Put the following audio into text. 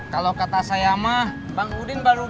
kalau kata saya mah bang udin baru beli motor